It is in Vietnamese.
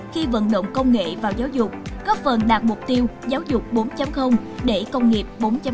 khi vận động công nghệ vào giáo dục góp phần đạt mục tiêu giáo dục bốn để công nghiệp bốn